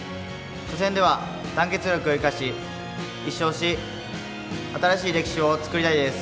初戦では団結力を生かし１勝し新しい歴史を作りたいです。